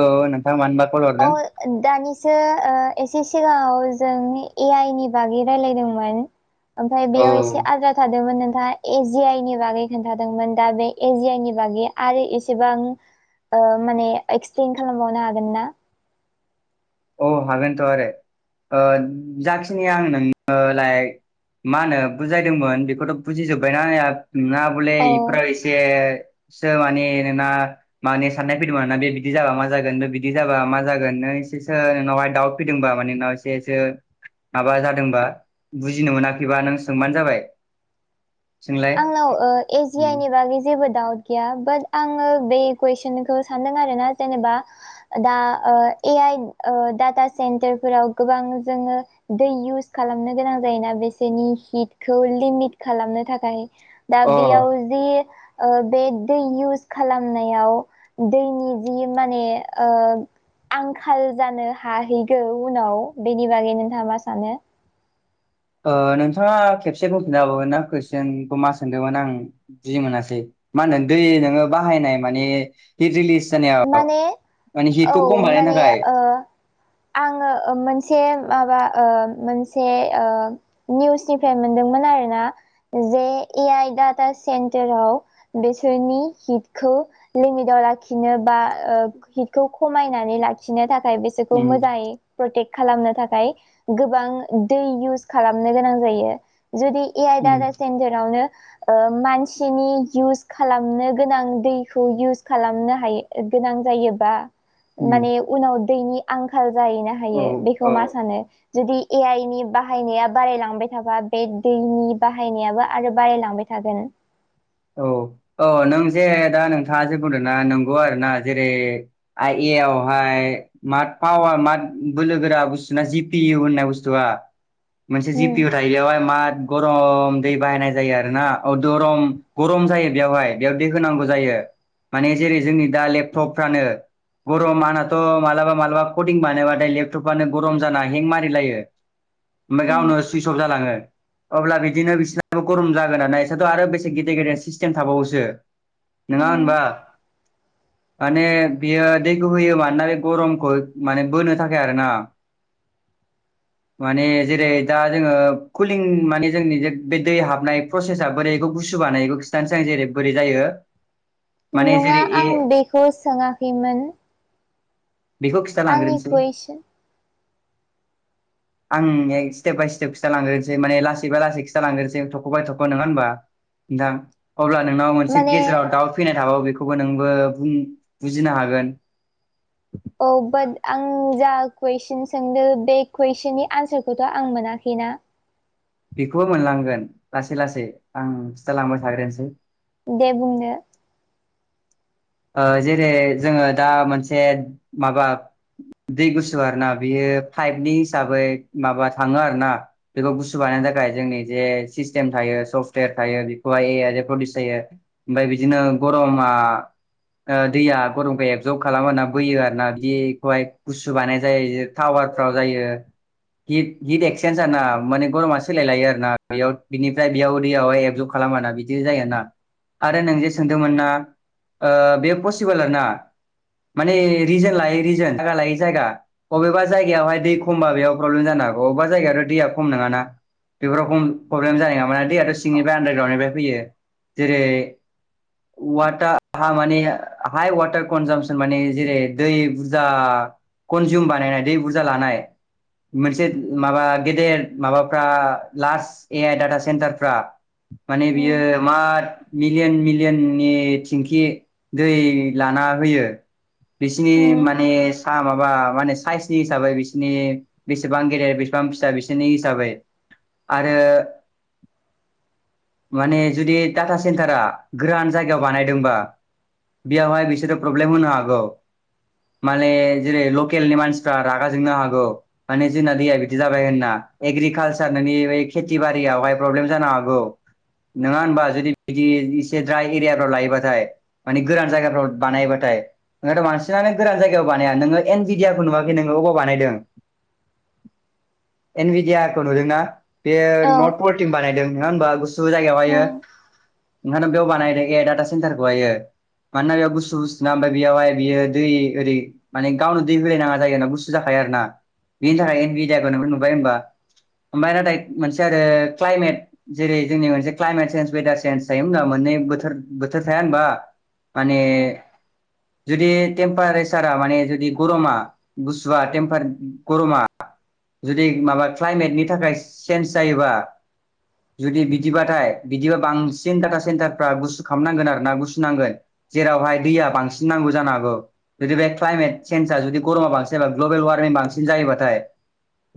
औ नों अ दानिसो ओ एसे सिगाङाव जों ए आइ नि बागै रायलायदोंमोन ओमफ्राय औ बेयाव एसे आद्रा थादों नों एजि आइ नि बागै खोन्थादोंमोन दा बे एजि आइ नि बागै आरो एसेबां माने एक्सप्लेन खालामबावनो हागोन ना औ हागोनथ' आरो ओ जाखिनि आं नोंनोलाय मा होनो बुजायदोंमोन बेखौथ' बुजिजोबबायना [unintelligible] ना बले औ इफोराव एसे सो माने नोंना माने साननाय फैदोंमोनना बे बिदि जाबा मा जागोन बिदि जाबा मा जागोन नों एसेसो नोंनावहाय दाउट फैदोंबा माने नोंनाव एसेसो माबा जादोंबा बुजिनो मोनाखैबा नों सोंबानो जाबाय सोंलाय आंनाव ओ एज जि आइ नि बागै जेबो दाउट गैया बाट आङो बे कुइसनखौ सानदों आरोना जेनेबा दा ओ ए आइ ओ डाटा सेन्टारफोराव गोबां जोङो दै इउस खालामनो गोनां जायोना बिसोरनि हिटखौ लिमिट खालामनो थाखाय दा बेयाव अ जि ओ बे दै इउस खालामनायाव दैनि जि माने ओ आंखाल जानो हाहैगौ उनाव बेनि बागै नोंथाङा मा सानो ओ नोंथाङा खेबसे बुंफिननो हाबावगोन ना कुइसनखौ मा सोंदोंमोन आं बुजि मोनासै मा होनो दै नोङो बाहायनाय माने हिट रिलिस माने औ बानायनो माने थाखाय ओ आङो ओ मोनसे माबा ओ मोनसे ओ निउसनिफ्राय मोनदोंमोन आरो ना जे ए आइ डाटा सेन्टाराव बेसोरनि हिटखौ लिमिटाव लाखि नो बा हिटखौ खमायनानै लाखिनो थाखाय बिसोरखौ उम मोजाङै प्रटेक्ट खालामनो थाखाय गोबां दै इउस खालामनो गोनां जायो। जुदि ए आइ उम डाटा सेन्टारावनो मानसिनि इउस खालामनो गोनां दैखौ इउस खालामनो गोनां जायो बा उम माने दैनि आंखाल जाहैनो औ हायो बेखौ औ मा सानो जुदि ए आइनि बाहायनाया बारायलांबाय थाबा बे दैनि बाहायनायाबो आरो बारायलांबाय थागोन। औ औ नों जे दा नोंथाङा जे बुंदों ना नंगौ आरोना जेरै आइ ए एयावहाय मा पावार मा बोलोगोरा बुस्थुना जि पि इउ होननाय बुस्थुआ? मोनसे जि उम पपिअ थायो बेयावहाय माथ गरम दै बाहायनाय जायो आरोना औ दरम गरम जायो बेयावहाय बेयाव दै होनांगौ जायो माने जेरै जोंनि दा लेपटपफ्रानो गरम आंनाथ' मालाबा मालाबा फदिं बानायबाथाय लेपटपानो गरम जाना हें मारिलायो आमफाय उम गावनो सुइस अफ जालांङो अब्ला बिदिनो बिसोरनाबो गरम जागोन ना बिसोरथ' आरो बेसे गिद [unintelligible] सिस्टेम थाबावोसो नोङा उम होनबा? [inaudible] माने बियो दैखौ होयो मानोना बे गरमखौ माने बोनो थाखाय आरो ना। [inaudible] माने जेरै दा जोंङो कुलिं माने जोंनि जे बे दै हाबनाय प्रसेसा बोरैखौ गुसु गुसु बानायखौ खिथानोसै आं जेरै बोरै जायो। माने नंङा जेरै ए आं बेखौ सोङाखैमोन। बेखौ आंनि खिथालांग्रोनोसै कुइसन आं नोंनो स्टेप बाय स्टप खिथा लांग्रोसै माने लासै बा लासै खिथा लांग्रोसै थख' बाय थख' नंङा होमबा? नोंथां अब्ला नोंनाव मोनसे माने गेजेराव दाउ फैनाय थाबावो बे खौबो नोंबो बुं- बुजिनो हागोन। औ बाट आं जा कुइसन सोंदों बे कुइसननि आनसारखौथ' आं मोनाखै। [unintelligible] बेखौबो मोनलांगोन लासै लासै आं खिथालांबाय थाग्रोनोसै। दे बुंदो। ओ-जेरै जोंङो दा मोनसे माबा दै गुसु आरोना बियो पाइपनि हिसाबै माबा थांङो आरोना बेखौ गुसु बाना -नायनो थाखाय जोंनि जे सिम थायो सफ्टवेर थायो बेहायउस जायो ओमफ्राय बिदिनो ओ गरमा। दैया गरमखौ एबजर्ब खालामो आरा बोयो आरना। बेखौहाय गुसु बानाय जायो पावार [unintelligible] जायो [unintelligible] हिट हिट एक्चन्ज आर ना माने गरमा सोलाय लायो आरो ना बेयाव बिनिफ्राय बेयाव दैयावाय एबजु खाम खालामाना बिदि जाय ना आरो नों जे सोंदोंमोन ना। ओ-बेयो पसिबोल ना। माने रिजोन लाय रिजोन थाखा लायै जायगा बबेबा जायगायावहाय दै खमबा बेयाव प्रब्ले जानो बबेबा जायगायाथ दैया खम नंङाना। बेफोर रखम प्रब्लेम जानाय नङाना दैयाथ' सिंनिफ्राय आडारग्राउन्डनिफ्राय फैयो जेरै - वाटा आहा माने हाइ वाटार कनजामसन माने जेरै दै बुरजा कन्जिउम बानायनाय दै बुरजा लानाय। मोनसे माबा गेदेर माबाफ्रा लार्ज ए आइ डाटा सेन्टारफ्रा। माने उम बियो मा मिलियन मिलियननि। थिंखि दै लाना होयो बिसिनि उम माने माबा माने साइसनि हिसाबै बिसोरनि बेसेबां गेदेर बेसेबां फिसा बिसोरनि हिसाबै। आरो माने जुदि डाटा सेन्टारा गोरान जायगायाव बानाय -योबा बेयावहाय बिसोरो प्रब्लेम होनो हागौ। माने जेरै लकेलनि मानसिफ्रा रागा जोंनो हागौ माने जोंना दैया बिदि जाबाय होनना। एग्रिकालसार नोंनि बे खेथि बारियावहाय प्रब्लेम जानो हागौ। नङा होनबा जुदि बिदि एसे द्राय एरियाफ्राव लायोबा। थाय गोरान जायगाफ्राव बानाय बाथाय ओंखाइथ बांसिनननोथ गोरान जायगायाव बानाया एनपिडिया नुवाखै नोङो अबाव बानायदों? [inaudible] एनबिदियाखौ नुदों ना? बे औ नथ परटिम बानायदों नङा होनबा गुसु जायगायावहायो। उम ओंखायनो बेयाव बानायदो एआइ डाटा सेन्टारखौहायो। मानोना बेयाव गुसु बुसुना ओमफ्राय बेयावहाय बियो दै ओरै माने गावनो दै होलायनाङा जायो आरोना गुसु जाखायो। ना बेनि थाखाय बि जायखौ नुबाय होनबा ओमफ्राय नाथाय मोनसे आरो क्लाइमेट जेरै जोंनि मोनसे क्लाइमेट सेनस वेदार चन्स थायो होनबा मोन नाना बोथोर बोथोर थाया होनबा। माने उम जुदि टेमपारेसारा माने जुदि गरमा गुसुवा टेमपार गरमा जुदि माबा क्लाइमेटनि थाखाय चेन्ज जायोबा जुदि बिदिबाथाय बिदिबा बांसिन डाटा सेन्टारफ्रा गुसु खालामनांगोन आरो ना गुसनांगोन जेरावहाय दैया बांसिन नांगौ जानो हागौ जुदि बे क्लाइमेट चन्जआ जुदि गरमा बांसिन बा ग्लबेल वारमिं बांसिन जायोबाथाय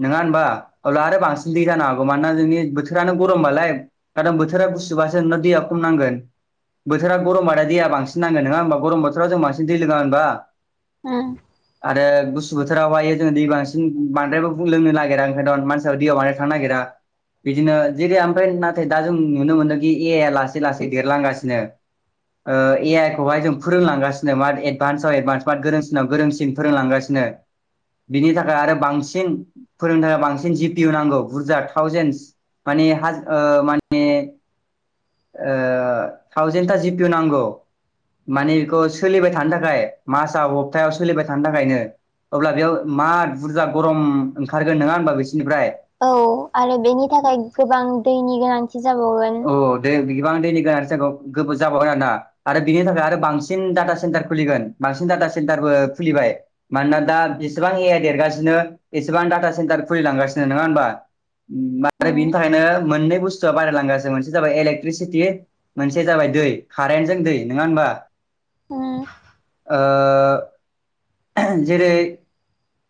नङा होनबा अब्ला आरो बांसिन दै जानो हागौ मानोना जोंनि बोथोरानो गरमबालाय खारन बोथोरा बुसुबासो नों दैया खम नांगोन बोथोरा गरमबाथाय दैया बांसिन नांगोन नङा होमबा गरम बोथोराव जों दै लोङा होनबा उम आरो गुसु बोथोरावहायो जोङो दै बांसिन बद्रायबो लोंनो नागिरा ओंखायनों मानसिफो दै बांद्राय थांनो नागिरा बिदिनो जेरै ओमफ्राय नाथाय दा जों नुनो मोनदोंखि एयाइ लासै लासै देरलांगासिनो एआइ खौहाय जों फोरोंलांगासिनो मा एडभान्सआव एडभान्स मा गोरोंसिनाव गोरोंसिन फोरोंलांगासिनो [inaudible] बिनि थाखाय आरो बांसिन फोरोंनो थाखाय बांसिन जि पि इउ नांगौ बुरजा थावजेन्स माने हाज ओ माने ओ थावजेेनथा जिपिउ नांगौ माने बेखौ सोलिबाय थानो थाखाय मासाव हप्तायाव सोलिबाय थानो थाखायनो अब्ला बेयाव मा बुरजा गरम ओंखारगोन नङा होनोमबा बेसोर औ आरो बेनि थाखाय गोबां दैनि गोनांथि जाबावगोन औ दै गोबां दैनि गोनांथि जायखौ गोबाव जाबावगोन आरोना आरो बिनि थाखाय आरो बांसिन डाटा सेन्टार खुलिगोन बांसिन डाटा सेन्टारबो खुलिबाय मानोना दा बेसेबां एआइ देरगासिनो एसेबां डाटा सेन्टार खुलि लांगासिनो नङा होनबा उम बेनि थाखायनो मोननै बु बारायलांगासिनो मोनसे जाबाय इलेक्ट्रिसिटि मोनसे जाबाय दै कारेन्टजों दै नङा होनबा ह जेरै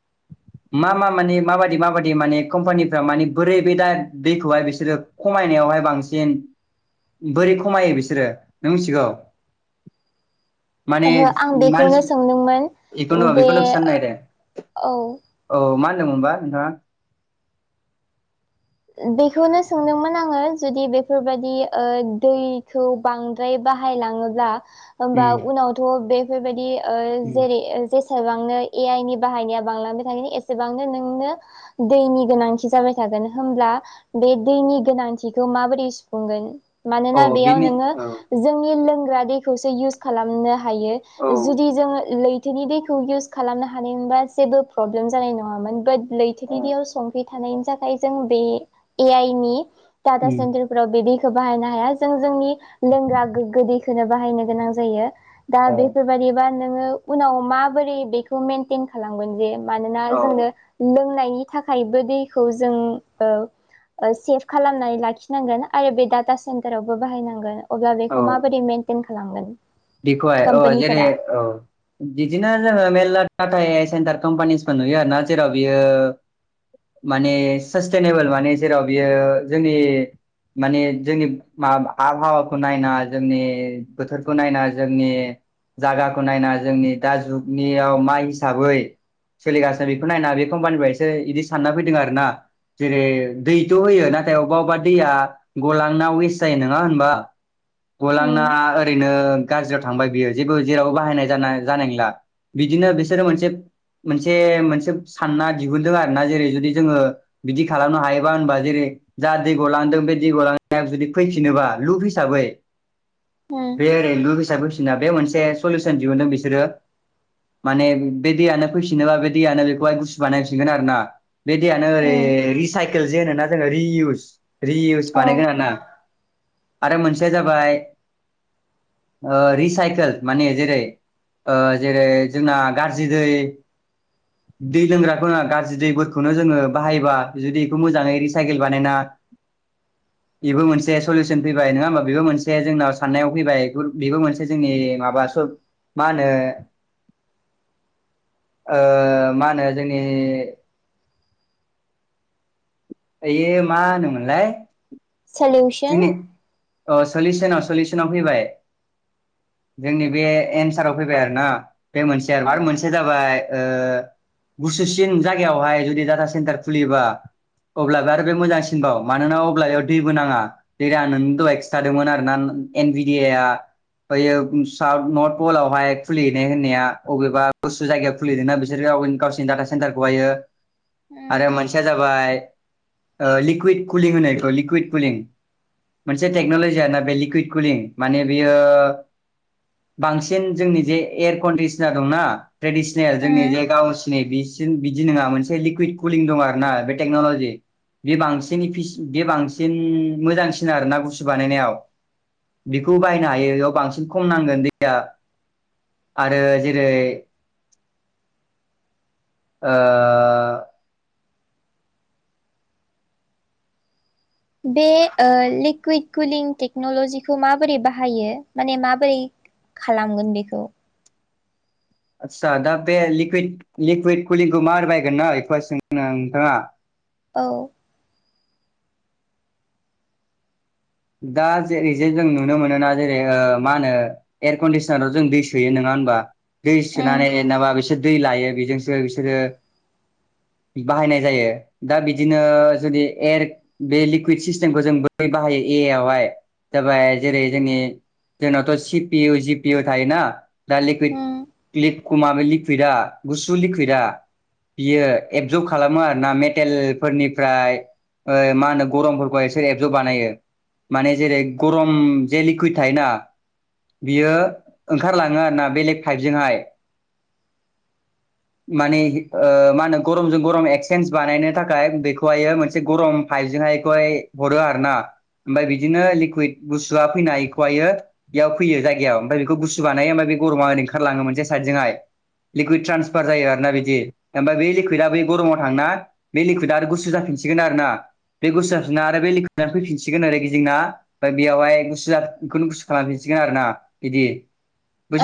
[inaudible] मा मा माने माबायदि माबायदि माने कम्पानिफ्रा माने बोरै बे दा दैखौहाय बिसोरो खमायनायाव हाय बांसिन बोरै खमायो बिसोरो नों मिथिगौ [inaudible] माने ओहो आं बेखौनो मानसि सोंदोंमोन बेखौनो बेे बेखौनो खिथानो नागिरदों औ औ मा होनदोंमोनबा नोंथाङा बेखौनो सोंदोंमोन आङो जुदि बेफोरबायदि दैखौ बांद्राय बाहायला उम उनाव उम जसेबां नोंनो एआइ नि बाहायनाया बांलांबाय थागोन एसेबांनो नोंनो दैनि गोनांथि जाबाय थागोन होनब्ला बे दैनि गोनांथिखौ माबोरै सुफुंगोन मानोना औ बेयाव बेनो नोङो औ जोंनि लोंग्रा दैखौसो इउस खालामनो हायो औ जुदि जोङो लैथो लैथोनि दैखौ इउस खालामनो हानायबा जेबो प्रब्लेम जानाय नङामोन बाट लैथोनि औ दैयाव संख्रि थाखाय जों बे आइ नि डाटा उम सेन्टारफोराव बि दैखौ बाहायनानै हाया जों जोंनि लोंग्रा गोगो दैखौनो बाहायनो गोनां जायो दा औ बेफोरबायदिबा नोङो उनाव माबोरै बेखौ मेनटेन खालामगोन जे मानोना औ जोंनो लोंनायनि बेनि थाखायबो दैखौ जों ओ सेभ खालामनानै लाखिनांगोन आरो बे डाटा सेन्टारावबो बाहायनांगोन अब्ला बेखौ माबोरदि मेेनटेन खालामगोन। बेखहाय औ जेरै कम्पानिफोरा औ बिदिनो जोङो मेलला टाटा ए सेन्टार कम्पानिसफोर नुयो आरो ना जेराव बियो माने सास्टेनेबोल माने जेराव बियो जोंनि माने जोंनि मा आबहावाखौ नायना जोंनि बोथोरखौ नायना जोंनि जागाखौ नायना जोंनि दा जुगनियाव मा हिसाबै सोलिगासिनो बेखौ नायना बे कम्पानिफ्राय एसे बिदि सानना फैदों आर ना जेरै दैथ होयो नाथाय अबेबा अबेबा दैया गलांना वेस्ट जायो नङा होनबा गलना उम ओरैनो गाज्रियाव थांबाय बियो जेबो जेरावबो बाहायनाय जा जानाय नंला बिदिनो बिसोरो मोनसे मोनसे मोनसे सानना दिहुनदों आरो ना जेरै जुदि जोङो बिदि खालामनो हायोबा होनबा जेरै जा दै गलांदों बे दै ग लांनाया जुदि फैफिनोबा लुप हिसाबै उम बे ओरै लुप हिसाब फैफिना बे मोनसे सलुउसन दिहुुनदों बिसोरो माने बे दैयानो फैफिनोबा बे दैयानो बेखौहाय गुसु बानायफिनगोन आरो ना बेदि दैयानो ओरै उम रिसाइकेल जे होनोना जोङो रिइउस रियउस औ बानायगोन ना आरो मोनसेया जाबाय ओ रिसाइकेल माने जेरै ओ जेरै जोंना गाज्रि दै दै लोंग्राखौना गाज्रि दैफोरखौनो जोङो बाहायोबा जुदि बेखौ मोजाङै रिसाइकेल बानायना [unintelligible] एबो मोनसे सलुउसन फैबाय नङा होमबा बेबो मोनसे जोंनाव साननायाव फैबाय गद बेबो मोनसे जोंनि माबा सब मा होनो ओ मा होनो जोंनि दियो मा होनमोनलाय सोल्युसन अ सलिउसनाव सलिउसनाव फैबाय [unintelligible] जोंनि बे एन्साराव फैबाय आरो ना बे मोनसे आरो उम मोनसे जाबाय ओ गुसुसिन जायगायावहाय जुदि डाटा सेन्टार खुलियोबा अब्लाबो आरो बे मोजांसिनबाव मानोना अब्ला बेयाव दैबो नाङा जेरै आं नोंनि दहाय खिन्थादोंमोन आरोना एन भिडि आ बैयो साउथ नर्थ पलावहाय खुलिनाय होननाया अबेबा गुसु जायगायाव खुलिदोंना बिसोर गाव गावसिनि डाटा सेन्टारखौहायो उम आरो मोनसेया जाबाय लिकुइद कुलिं होननायखौ लिकुइद कुलिं मोनसे टेक्नलजिया बे लिकुइड कुलिं माने बेयो बांसिन जोंनि जे एयार कन्डिसनार दंना ट्रेडिसनेल जोंनि उम जे गावस सनि बिसिम बिदि नङा मोनसे लिकुइद कुलिं दं आरो ना बे टेक्नलजि बे बांसिन बे बांसिन मोजांसिन आरोोना गुसु बानायनायाव बेखौ बायनो हायो बेयाव बांसिन खम नांगोन दैया आरो जेरै ओ बे लिकुइड कुलिं टेक्नलजिखौ माबोरै बाहायो माने माबोरै खालामगोन बेखौ आस्सा दा बे लिकुइद लिकुइड कुलिंखौ मा बानायगोन ना बेखौहाय सोंदोंना नोंथाङा औ दा जेरै जे जों नुनो मोनोना जेरै मा होनो एयार कन्डिसनाराव जों दै सोयो नङा होमबा दै उम सोनानै एनाबा बिसोर दै लायो बेजोंसो बिसोरो बाहायनाय जायो दा बिदिनो जुदि एर बे लिकुइड सिस्टेमखौ जों बै बाहायो एआइ आवहाय जाबाय जेरै जोंनि जोंनावथ' C P U G P U थायोना दा लिकुइड उम क्लिड खुमाबे लिकुइदआ गुसु लिकुइदआ बियो एबजर्ब खालामो आरोना मेटेलफोरनिफ्राय माहोनो गरमफोरखौ एसोर एबजर्ब बानायो माने जेरै गरम जे लिकुइद थायोना बियो ओंखारलाङो आरोना बेलेग पाइपजोंहाय [inaudible] माने ओ माहोनो गरमजों गरम एक्सेन्ज बानायनो थाखाय बेखौहायो मोनसे गरम पाइप जोंहायएखौहाय हरो आरोना ओमफ्राय बिदिनो लिकुइड गुसुवा फैनाय खौहायो बेयाव फैयो जायगायाव ओमफ्राय बेखौ गुसु बानायो ओमफ्राय बेखौ गरमा ओंखारलाङो मोनसे साइडजोंहाय लिकुइद ट्रान्सफार जायो आरोना बिदि ओमफाय बे लिकुइदा बै गरमाव थांना बे लकुइदा आरो गुसु जाफिन सिगोन आरोना बे बुसु जाफिनना आरो बै लिकुइदानो फैफिनो गोन आरो गिदिंना ओमफ्राय बेयावहाय गुसु जा बेखौनो गुसु खालामफिनसिगोन आरो ना बिदि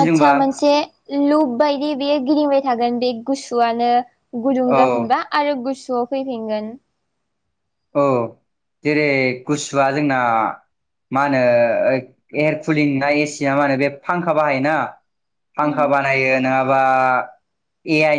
आथसा मोनसे लुप बायदि बेयो गिदिंबाय थागोन बे गुसुआनो गुदुं औ जाफिनबा आरो गुसुआव फैफिनगोन औ जेरै गुसुवा जोंना मा होनो एयारकुलिन ना एसि ना मा होनो बे फांखा बाहायोना फांखा उम बानायो नङाबा ए आइ